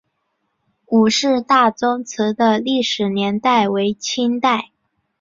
伍氏大宗祠的历史年代为清代。